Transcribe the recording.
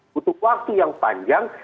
butuh waktu yang panjang